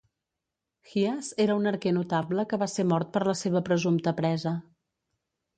Hyas era un arquer notable que va ser mort per la seva presumpta presa.